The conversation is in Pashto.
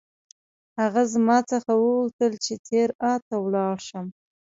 هغه زما څخه وغوښتل چې تیراه ته ولاړ شم.